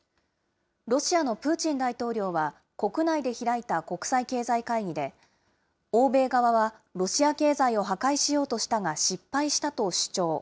ロシアのプーチン大統領は、国内で開いた国際経済会議で、欧米側はロシア経済を破壊しようとしたが失敗したと主張。